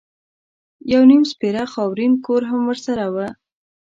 یو نیم سپېره خاورین کور هم ورسره و.